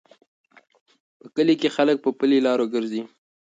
په کلي کې خلک په پلي لارو ګرځي.